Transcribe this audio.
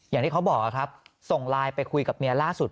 อย่างที่เขาบอกครับส่งไลน์ไปคุยกับเมียล่าสุด